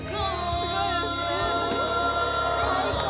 すごいですね・最高！